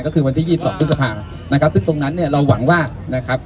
ก็คือวันที่๒๒พฤษภานะครับซึ่งตรงนั้นเนี่ยเราหวังว่านะครับ